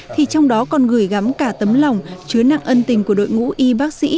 thì trong đó còn gửi gắm cả tấm lòng chứa nặng ân tình của đội ngũ y bác sĩ